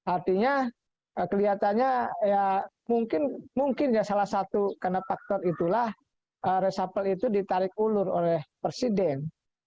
artinya kelihatannya ya mungkin ya salah satu karena faktor itulah resapel itu ditarik ulur oleh presiden